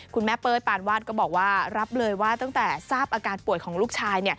เป้ยปานวาดก็บอกว่ารับเลยว่าตั้งแต่ทราบอาการป่วยของลูกชาย